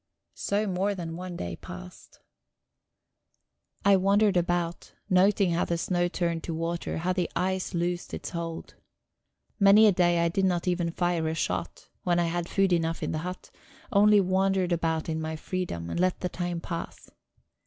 So more than one day passed. I wandered about, noting how the snow turned to water, how the ice loosed its hold. Many a day I did not even fire a shot, when I had food enough in the hut only wandered about in my freedom, and let the time pass.